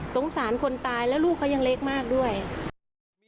สงสารคนตายแล้วลูกเขายังเล็กมากด้วย